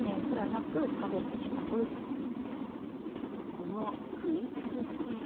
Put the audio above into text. この食い尽くし系。